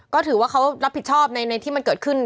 ก็ถือว่าเขารับผิดชอบในที่มันเกิดขึ้น